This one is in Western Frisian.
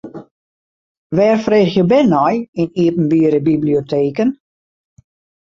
Wêr freegje bern nei yn iepenbiere biblioteken?